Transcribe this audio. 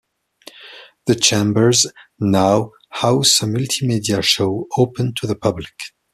The chambers now house a multimedia show open to the public.